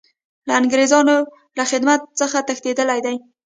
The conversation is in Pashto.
له انګریزانو له خدمت څخه تښتېدلی دی.